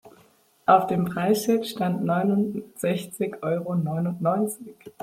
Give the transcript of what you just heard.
Auf dem Preisschild stand neunundsechzig Euro neunundneunzig.